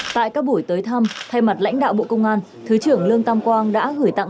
tại các buổi tới thăm thay mặt lãnh đạo bộ công an thứ trưởng lương tam quang đã gửi tặng